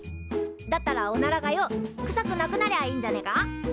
だったらおならがよくさくなくなりゃあいいんじゃねえか？